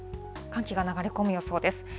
寒気が流れ込む予想です。